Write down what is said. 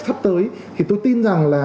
thấp tới thì tôi tin rằng là